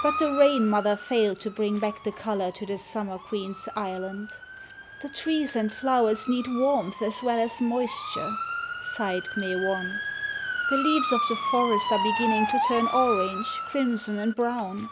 But the Rain mother failed to bring back the colour to the Summer Queen's island. "The trees and flowers need warmth as well as moisture," sighed K'me wan. "The leaves of the forest are beginning to turn orange, crimson, and brown.